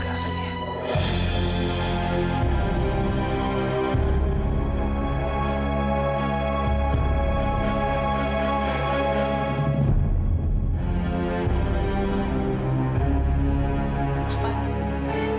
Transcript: kau dia hasilnyaku molest ably